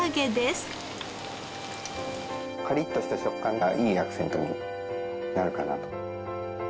カリッとした食感がいいアクセントになるかなと。